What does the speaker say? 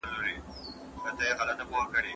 نه زما ترکاري بده راځي.